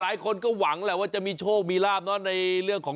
หลายคนก็หวังแหละว่าจะมีโชคมีลาบเนอะในเรื่องของ